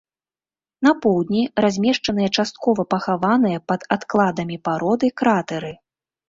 На поўдні размешчаныя часткова пахаваныя пад адкладамі пароды кратэры.